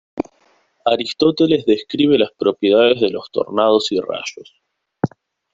Aristóteles describe las propiedades de los tornados y rayos.